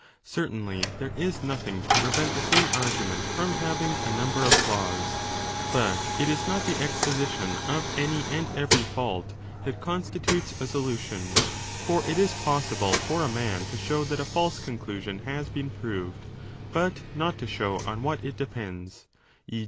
Certainly there is nothing 2 to prevent the same argument from having a number of flaws ; but it is not the exposition of any and every fault that constitutes a solution : for it is possible for a man to show that a false con clusion has been proved, but not to show on what it depends, e.